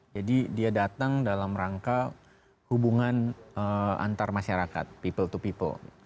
jadi dia datang dalam rangka hubungan antar masyarakat people to people